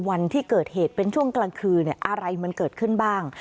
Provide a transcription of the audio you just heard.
วันที่เกิดเหตุเป็นช่วงกลางคืนอะไรมันเกิดขึ้นบ้าง